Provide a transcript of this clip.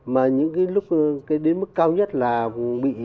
mà những cái lúc đến mức cao nhất là bị